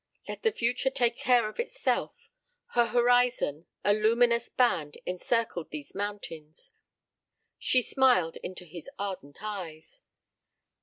Let the future take care of itself. Her horizon, a luminous band, encircled these mountains. ... She smiled into his ardent eyes.